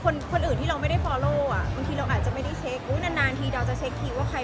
รู้สึกแย่ไหมเพราะต่างคนก็ต่างมีแฟนอยู่แล้ว